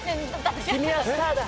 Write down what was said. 君はスターだ。